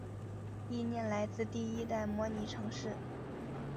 意念来自第一代模拟城市。